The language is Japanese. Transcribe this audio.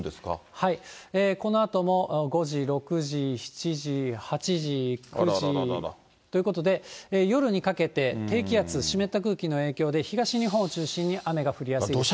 このあとも５時、６時、７時、８時、９時ということで、夜にかけて、低気圧、湿った空気の影響で、東日本中心に雨が降りやすいと。